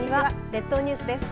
列島ニュースです。